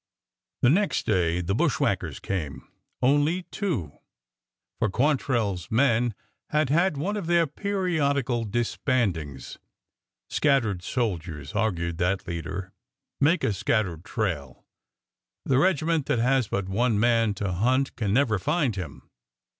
The next day the bushwhackers came — only two— for Quantrell's men had had one of their periodical disband ings. '' Scattered soldiers," argued that leader, '' make a scattered trail. The regiment that has but one man to hunt can never find him."